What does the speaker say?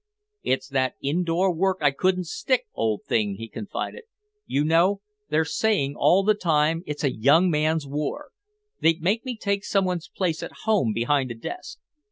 "It's that indoor work I couldn't stick, old thing," he confided. "You know, they're saying all the time it's a young man's war. They'd make me take some one's place at home behind a desk."